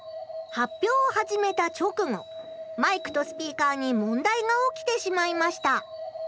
発表を始めた直後マイクとスピーカーに問題が起きてしまいました。